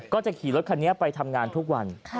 ก็จะขี่รถคันนี้ไปทำงานทุกวัน